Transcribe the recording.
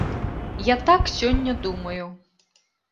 Я так сёння думаю.